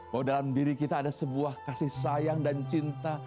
bahwa dalam diri kita ada sebuah kasih sayang dan cinta